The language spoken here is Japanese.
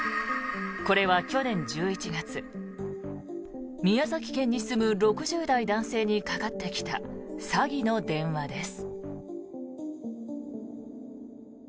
これは去年１１月宮崎県に住む６０代男性にかかってきた詐欺の電話です。